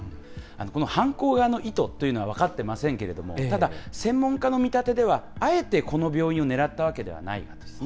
この犯行側の意図っていうのは分かってませんけれども、ただ、専門家の見立てでは、あえてこの病院を狙ったわけではないようなんですね。